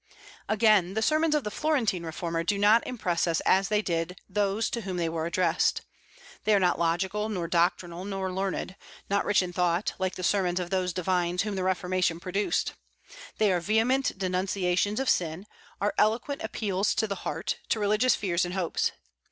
Again, the sermons of the Florentine reformer do not impress us as they did those to whom they were addressed. They are not logical, nor doctrinal, nor learned, not rich in thought, like the sermons of those divines whom the Reformation produced. They are vehement denunciations of sin; are eloquent appeals to the heart, to religious fears and hopes.